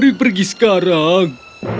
mari kita pergi sekarang